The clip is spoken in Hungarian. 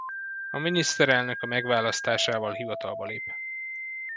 A miniszterelnök a megválasztásával hivatalba lép.